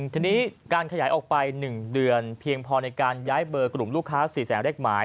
ทีนี้การขยายออกไป๑เดือนเพียงพอในการย้ายเบอร์กลุ่มลูกค้า๔แสนเลขหมาย